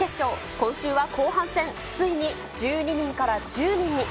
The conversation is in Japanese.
今週は後半戦、ついに１２人から１０人に。